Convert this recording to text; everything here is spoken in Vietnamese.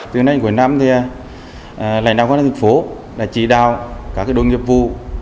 từ nay đến cuối năm lãnh đạo quản lý thịnh phố đã chỉ đạo các đối nghiệp vụ